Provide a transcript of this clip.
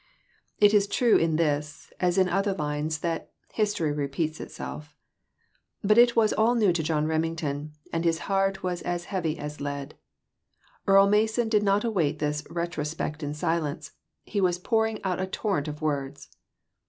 It is true in this, as in other lines, that " history repeats itself." But it was all new to John Remington, and his heart was as heavy as lead. Earle Mason did not await this retrospect in silence; he was pouring out a torrent of words.